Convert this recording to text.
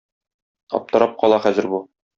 Аптырап кала хәзер бу.